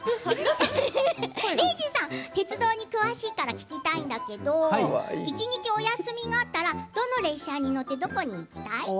礼二さん、鉄道に詳しいから聞きたいんだけど一日お休みがあったらどの列車に乗ってどこに行きたい。